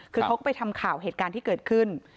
คือเขาก็ไปทำข่าวเหตุการณ์ที่เกิดขึ้น